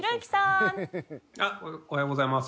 おはようございます。